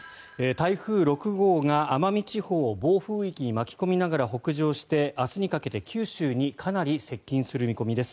台風６号が奄美地方を暴風域に巻き込みながら北上して明日にかけて九州にかなり接近する見込みです。